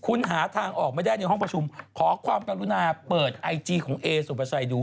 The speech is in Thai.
คุณหาทางออกไม่ได้ในห้องประชุมขอความกรุณาเปิดไอจีของเอสุภาชัยดู